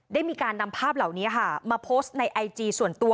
ได้มีการนำภาพเหล่านี้ค่ะมาโพสต์ในไอจีส่วนตัว